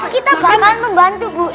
kita bakalan membantu bu